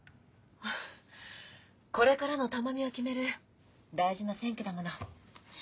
あこれからの珠海を決める大事な選挙だもの。